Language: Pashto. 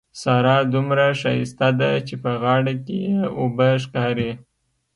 سارا دومره ښايسته ده چې په غاړه کې يې اوبه ښکاري.